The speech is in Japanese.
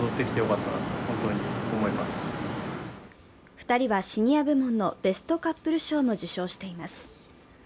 ２人はシニア部門のベストカップル賞も受賞しています。